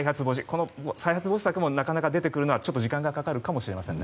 この再発防止策もなかなか出てくるのは時間がかかるかもしれません。